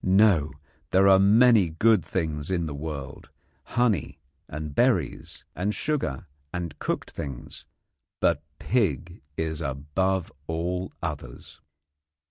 No; there are many good things in the world honey and berries and sugar and cooked things; but pig is above all others.